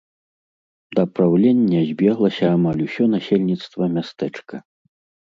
Да праўлення збеглася амаль усё насельніцтва мястэчка.